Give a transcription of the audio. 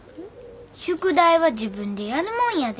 宿題は自分でやるもんやで。